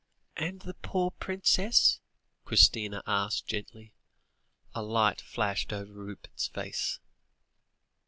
"And the poor princess?" Christina asked gently. A light flashed over Rupert's face.